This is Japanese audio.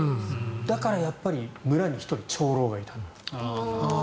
だから、やっぱり村に１人長老がいたんだと。